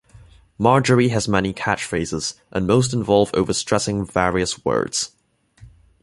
Marjorie has many catchphrases, and most involve over stressing various words.